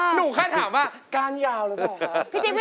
หนูแค่ถามว่าการยาวเลยเปล่าครับ